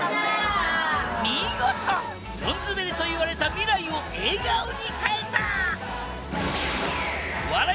見事ドンズベりといわれた未来を笑顔に変えた！